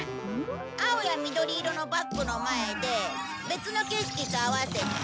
青や緑色のバックの前で別の景色と合わせて。